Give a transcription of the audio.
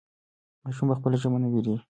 ماشوم په خپله ژبه نه وېرېږي.